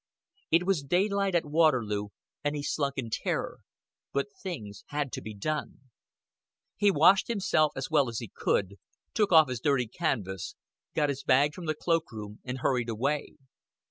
It was daylight at Waterloo, and he slunk in terror; but things had to be done. He washed himself as well as he could, took off his dirty canvas, got his bag from the cloak room and hurried away.